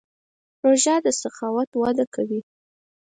روژه د سخاوت وده کوي.